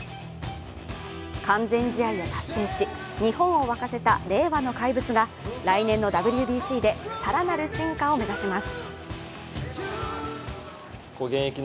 完全試合を達成し、日本を沸かせた令和の怪物が、来年のＷＢＣで更なる進化を目指します。